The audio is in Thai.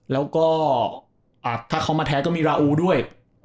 แล้วก็ถ้าเขามาแท้ก็มีราอูด้วย